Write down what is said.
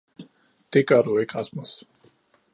Det gør du ikke, rasmus